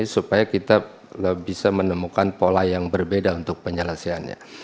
supaya kita bisa menemukan pola yang berbeda untuk penyelesaiannya